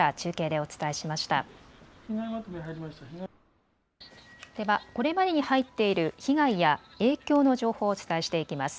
ではこれまでに入っている被害や影響の情報をお伝えしていきます。